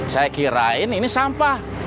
saya kirain ini sampah